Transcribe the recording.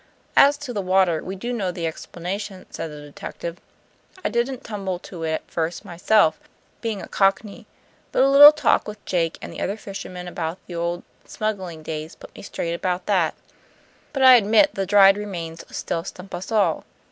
"As to the water, we do know the explanation," said the detective. "I didn't tumble to it at first myself, being a Cockney; but a little talk with Jake and the other fisherman about the old smuggling days put me straight about that. But I admit the dried remains still stump us all.